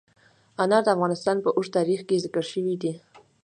انار د افغانستان په اوږده تاریخ کې ذکر شوی دی.